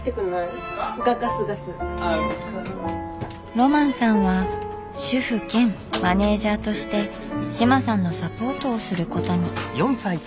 ロマンさんは主夫兼マネージャーとして志麻さんのサポートをすることに。